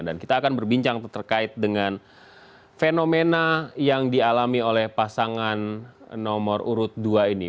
dan kita akan berbincang terkait dengan fenomena yang dialami oleh pasangan nomor urut dua ini